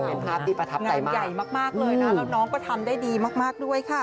เป็นภาพที่ประทับงานใหญ่มากเลยนะแล้วน้องก็ทำได้ดีมากด้วยค่ะ